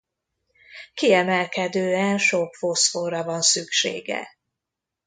Kiemelkedően sok foszforra van szüksége.